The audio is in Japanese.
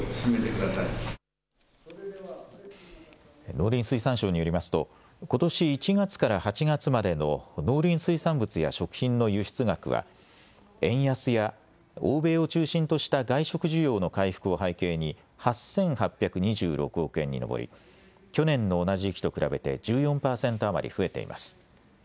農林水産省によりますとことし１月から８月までの農林水産物や食品の輸出額は円安や欧米を中心とした外食需要の回復を背景に８８２６億円に上り、去年の同じ時期と比べて１４％余り増えています。